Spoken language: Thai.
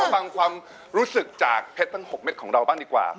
เอามาฟังความรู้สึกจากเพศ๖เม็ดของเราดีกว่า